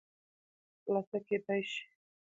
خلاصه کېداى شي